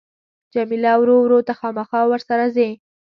جميله ورو وویل ته خامخا ورسره ځې.